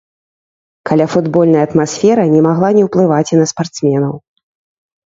Каляфутбольная атмасфера не магла не ўплываць і на спартсменаў.